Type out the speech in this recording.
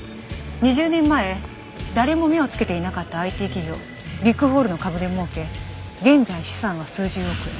２０年前誰も目をつけていなかったＩＴ企業「ビッグホール」の株で儲け現在資産は数十億円。